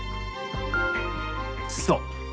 そう。